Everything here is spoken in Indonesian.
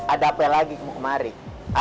ada apa lagi kemarin